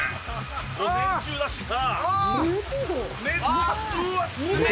午前中だしさ。